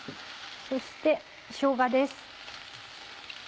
そしてしょうがです。